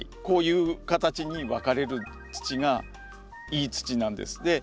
こういう形に分かれる土がいい土なんです。